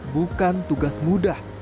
bukan tugas mudah